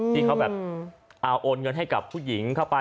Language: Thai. ที่เขากำแหน่งการให้ผู้หญิงเข้าไป